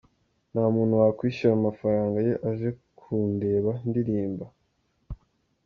Nta muntu wakwishyura amafaranga ye aje kundeba ndirimba.